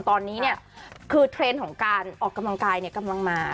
ตอนนี้คือเทรนด์ของการออกกำลังกายกำลังมา